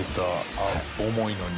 重いのに。